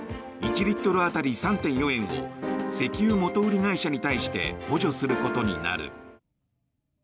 １リットル当たり３．４円を石油元売り会社に対して補助することになる。